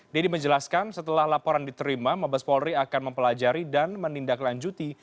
deddy menjelaskan setelah laporan diterima mabes polri akan mempelajari dan menindaklanjuti